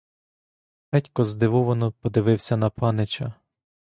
Федько здивовано подивився на панича.